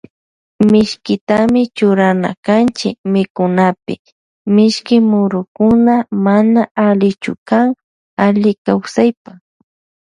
Mishkitami churana kanchi mikunapi mishki murukuna mana allichukan alli kawsaypa.